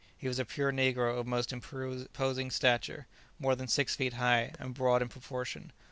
He was a pure negro of most imposing stature, more than six feet high, and broad in proportion.